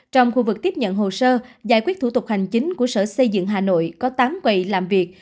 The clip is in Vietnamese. trong khu vực tiếp nhận hồ sơ giải quyết thủ tục hành chính của sở xây dựng hà nội có tám quầy làm việc